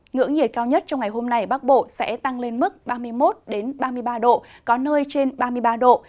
ngưỡng nhiệt cao nhất trong ngày hôm nay bắc bộ sẽ tăng lên mức ba mươi một ba mươi ba độ có nơi trên ba mươi ba độ